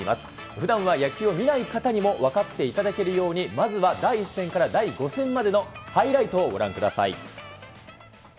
ふだんは野球を見ない方にも分かっていただけるように、まずは第１戦から第５戦までのハイライトをご覧ください。